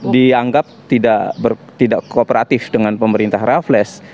dianggap tidak kooperatif dengan pemerintah raffles